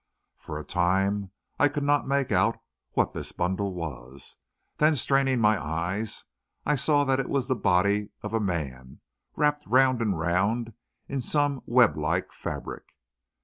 For a time, I could not make out what this bundle was, then, straining my eyes, I saw that it was the body of a man, wrapped round and round in some web like fabric.